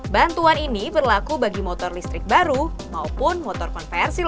bantuan ini berlaku bagi motor listrik baru maupun motor konversi